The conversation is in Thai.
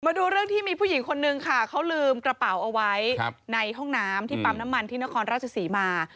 มาดูเรื่องที่มีผู้หญิงคนนึงค่ะเขาลืมกระเป๋าเอาไว้ในห้องน้ำที่ปั๊มน้ำมันที่นครราชศรีมา